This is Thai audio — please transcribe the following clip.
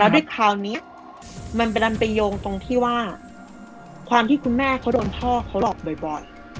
ด้วยคราวนี้มันเป็นอันไปโยงตรงที่ว่าความที่คุณแม่เขาโดนพ่อเขาหลอกบ่อย